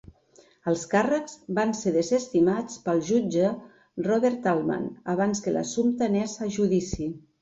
Els càrrecs van ser desestimats pel jutge Robert Altman abans que l'assumpte anés a judici.